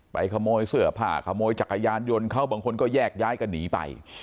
ขโมยเสื้อผ้าขโมยจักรยานยนต์เขาบางคนก็แยกย้ายกันหนีไป